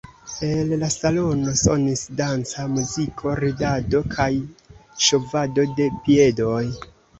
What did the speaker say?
El la salono sonis danca muziko, ridado kaj ŝovado de piedoj.